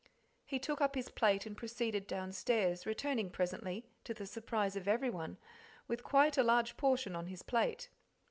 He took up his plate and proceeded downstairs, returning presently, to the surprise of everyone, with quite a large portion on his plate.